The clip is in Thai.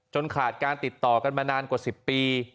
ขาดการติดต่อกันมานานกว่า๑๐ปี